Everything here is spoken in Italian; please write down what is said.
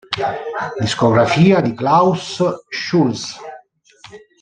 Discografia di Klaus Schulze